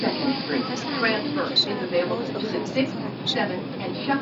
نفس عمیقی میکشد باز داخل سفارت میشود